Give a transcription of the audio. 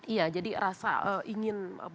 iya jadi rasa ingin bebas lari